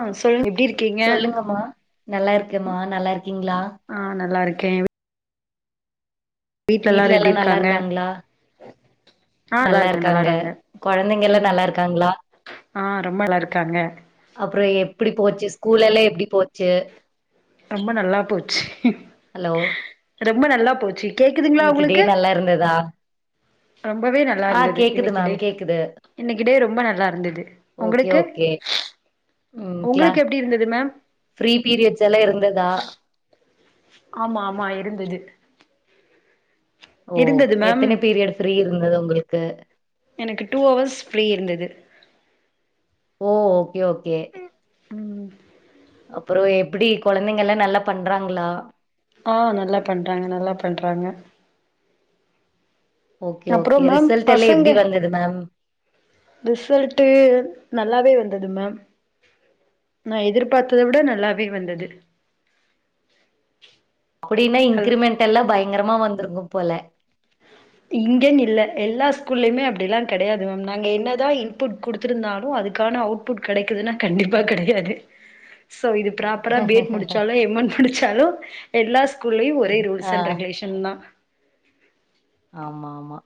ஆ சொல்லுங் எப்டி இருக் சொல்லுங்கம்மா நல்லா இருக்கேம்மா நல்லா இருக்கீங்களா ஆ நல்லாருக்கேன் எல்லாரு வீட்ல எல்லா எப்டி நல்லா இருக்காங்க இருக்காங்களா நல்லா இருக்காங்க கொழந்தைங்க எல்லா நல்லா இருக்காங்களா ஆ ரொம்ப நல்லா இருக்காங்க அப்புறோ எப்படி போச்சு ஸ்கூலெல்லா எல்லா எப்படி போச்சு ரொம்ப நல்லா போச்சு ஹலோ ரொம்ப நல்லா போச்சு கேக்குதுங்களா இன்னைக்கு டே உங்களுக்கு நல்லா இருந்ததா? ரொம்பவே நல்லா ஆ இருந்தது கேக்குது இன்னைக்கு டே மேம் கேக்குது. இன்னைக்கி டே ரொம்ப நல்லா இருந்தது ஓகே ஓகே ம் கிளா ஒங்களுக்கு எப்படி இருந்தது மேம் ஃப்ரீ பீரியட்ஸ் எல்லா இருந்ததா ஆமா ஆமா இருந்தது ஓ இருந்தது மேம் எத்தன பீரியட் ஃப்ரீ இருந்தது உங்களுக்கு எனக்கு டூ ஹவர்ஸ் ஃப்ரீ இருந்தது ஓ ஓகே ஓகே உம் அப்புறோ எப்படி கொழந்தைங்கல்லா நல்லா பண்றாங்களா ஆ நல்லா பண்றாங்க நல்லா பண்றாங்க ஓகே அப்றோ ஓகே மேம் ரிசல்ட் எல்லா எப்டி பசங்க வந்தது மேம் ரிசல்ட்டு நல்லாவே வந்தது மேம் நா எதிர்பார்த்த விட நல்லாவே வந்தது அப்படின்னா ஹல் இன்கிரிமென்டெல்லா பயங்கரமா வந்தருக்கும் போல்ல இங்கேன் இல்ல எல்லா ஸ்கூல்லயுமே அப்டியெலா கடையாது மேம் நாங்க என்னதா இன்புட் குடுத்துருந்தாலும் அதுக்கான அவுட் புட் கடைக்குதுன்னா கண்டிப்பா கடையாது சோ இது ப்ராப்பரா பி எட் முடிச்சாலு எம்மன் முடிச்சாலு எல்லா ஸ்கூல்லயும் ஒரே ரூல்ஸ் ஆ அண்ட் ரெகுலேஷன் தான் ஆமா ஆமா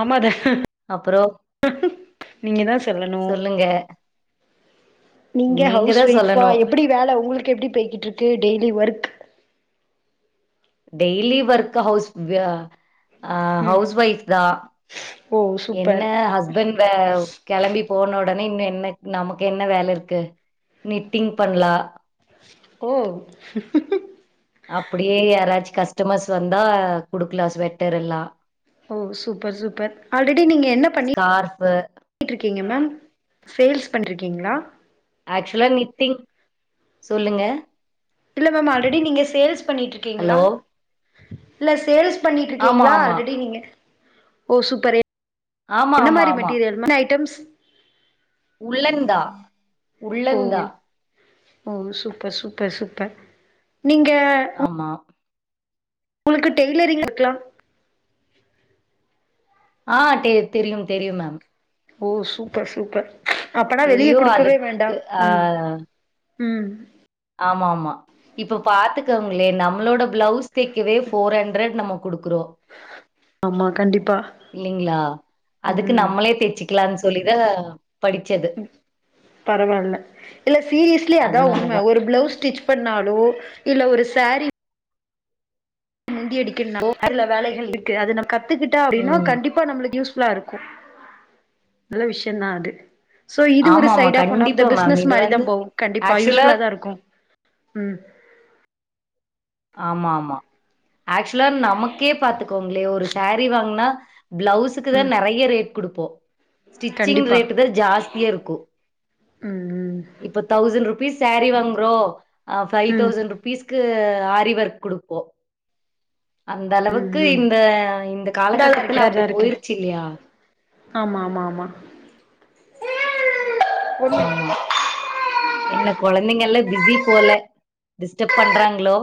ஆமா த அப்புறோ நீங்க தா சொல்லணும் சொல்லுங்க நீங்க ஹவுஸ் தா ஒய்ஃபா சொல்லணு எப்படி வேல உங்களுக்கு எப்படி போய்க்ட்டு இருக்கு daily work daily work house வ்யா அ ம் ஹவுஸ் ஒய்ஃப் தா ஓ என்ன சூப்பர் ஹஸ்பண் வ களம்பி போன ஒடனே இன்னு என்ன நமக்கு என்ன வேலருக்கு நெட்டிங் பண்லா ஓ அப்படியே யாராச்சு கஸ்டமர்ஸ் வந்தா குடுக்கலா ஸ்வெட்டர் எல்லா ஓ சூப்பர் சூப்பர் ஆல்ரெடி நீங்க என்ன பண்ணி ஸ்கார்ஃபு ட்ருக்கீங்க மேம் மேம் சேல்ஸ் பண்ட்ருக்கீங்களா ஆக்சுலா நித்திங் சொல்லுங்க இல்ல மேம் ஆல்ரெடி நீங்க சேல்ஸ் பண்ணிட்ருக்கீங்களா ஹலோ இல்ல சேல்ஸ் ஆமா பண்ணிட்ருக்கீங்களா ஆமா ஆல்ரெடி நீங்க ஓ சூப்பரே ஆமா என்ன ஆமா மாரி ஆமா மெட்டீரியல் என்ன ஐட்டம்ஸ் உள்ள ருந்தா ஓ உள்ளந்தா ஓ சூப்பர் சூப்பர் சூப்பர் நீங்க ஆமா உங்களுக்கு டெய்லரிங் வொர்க்லா ஆ தெரியு தெரியு மேம் ஓ சூப்பர் சூப்பர் அப்பனா வெளிய தெரியு குடுக்கவே வேண்டா அதுக்கு ஆ ம் ம் ஆமா ஆமா இப்ப பாத்துகங்களே நம்மளோட பிளவுஸ் தைக்கவே ஃபோர் ஹண்ட்ரட் நம்ம குடுக்குறோ ஆமா கண்டிப்பா இல்லிங்ளா அதுக்கு ம் நம்மளே தச்சிக்கலான் சொல்லிதா படிச்சது ம் பரவால்ல இல்ல சீரியஸ்லி அதா உண்ம அதனாலதா ஒரு பிளவுஸ் ஸ்டிச் பண்ணாலு இல்ல ஒரு சரி முந்தி அடிக்கணோ அதுல வேலைகள் இருக்கு அது நம் கத்துக்கிட்டா அப்டினனா ம் கண்டிப்பா நம்ளுக்கு யூஸ் ப்லா இருக்கு நல்ல விஷயந்தா அது சோ இது ஆமா ஒரு ஆமா சைட் ஆஃப் ஒ ஆப் த கண்டிப்பா மேம் பிசினஸ் இது மாரி தா வந்து போகு கண்டிப்பா ஆக்சுவலா யூஸ்ஃபுல்லா தா இருக்கு ம் ஆமா ஆமா ஆக்சுவலா நமக்கே பாத்துக்கோங்ளே ஒரு சரீ வாங்கினா பிளவுஸ் க்கு தா ம் நெறைய ரேட் குடுப்போ ஸ்டிச்சிங் கண்டிப்பா ரேட் தா ஜாஸ் இருக்கு ம் ம் இப்ப தௌசண்ட் ருபீஸ் சாரீ வாங்குறோ ஆ ஃபைவ் ம் தௌசண்ட் ருபீஸ்க்கு ஆரிவர்க் குடுப்போ அந்த ம் அளவுக்கு ம் இந்த இந்த இந்தாதா இருக்கே காலகட்டத்துல அப்டி இந்தாதா இருக்கே போயிருச்சு இல்லையா ஆமா ஆமா ஆமா ஆமா என்ன கொழந்தைங்கல்லாம் பிஸி போல டிஸ்டப் பண்றாங்களோ